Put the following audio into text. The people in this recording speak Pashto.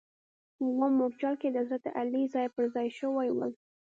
په اووم مورچل کې د حضرت علي ځاې پر ځا ې شوي ول.